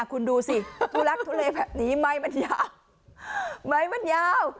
คุณดูสิทุลักทุเลแบบนี้ไหมมันยาวไหมมันยาว